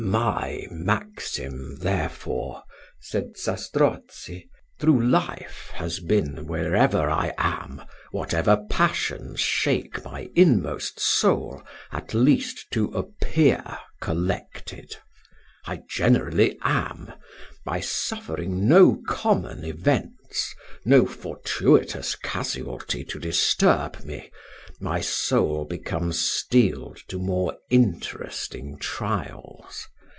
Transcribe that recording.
"My maxim, therefore," said Zastrozzi, "through life has been, wherever I am, whatever passions shake my inmost soul, at least to appear collected. I generally am; for, by suffering no common events, no fortuitous casualty to disturb me, my soul becomes steeled to more interesting trials.